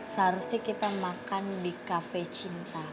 seharusnya kita makan di kafe cinta